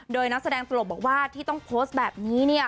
โดยนักแสดงตลกบอกว่าที่ต้องโพสต์แบบนี้เนี่ย